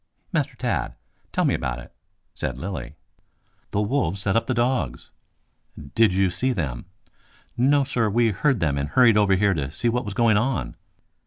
Master Tad, tell me about it," said Lilly. "The wolves set upon the dogs." "Did you see them?" "No, sir, we heard them and hurried over here to see what was going on."